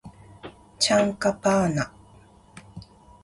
チャンカパーナ